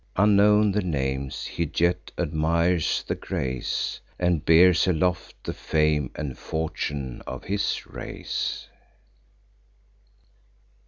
Unknown the names, he yet admires the grace, And bears aloft the fame and fortune of his race.